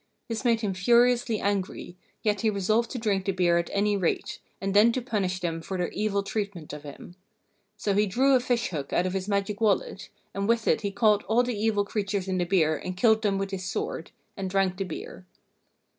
This made him furiously angry, yet he resolved to drink the beer at any rate, and then to punish them for their evil treatment of him. So he drew a fish hook out of his magic wallet, and with it he caught all the evil creatures in the beer and killed them with his sword, and drank the beer.